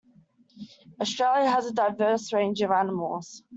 Australia has a diverse range of animals.